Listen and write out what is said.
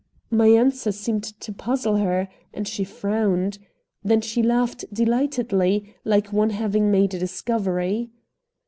My answer seemed to puzzle her, and she frowned. Then she laughed delightedly, like one having made a discovery.